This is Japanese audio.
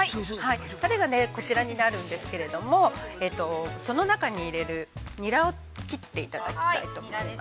タレがこちらになるんですけれどもその中に入れるニラを切っていただきたいと思います。